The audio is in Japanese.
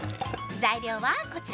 材料は、こちら。